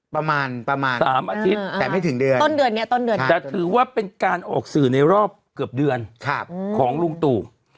ประมาณ๓อาทิตย์แต่ไม่ถึงเดือนแต่ถือว่าเป็นการออกสื่อในรอบเกือบเดือนของลุงตั๋ว